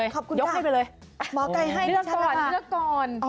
ขอบคุณค่ะเลือกก่อนเลือกก่อน